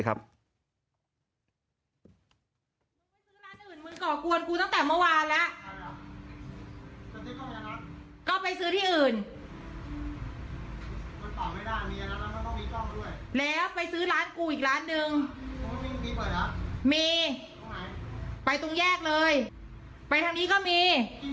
ก็ไปซื้อที่อื่นแล้วไปซื้อร้านกูอีกร้านนึงมีไปตรงแยกเลยไปทางนี้ก็มี